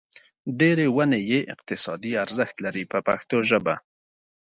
ډېرې ونې یې اقتصادي ارزښت لري په پښتو ژبه.